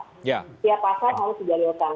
setiap pasal harus didalilkan